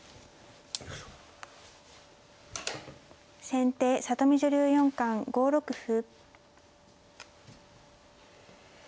先手里見女流四冠５六歩。